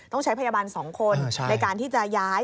ต้องใช้พยาบาล๒คนในการที่จะย้าย